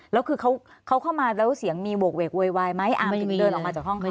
แล้วคือเขาเข้ามาแล้วเสียงมีโหกเวกโวยวายไหมถึงเดินออกมาจากห้องเขา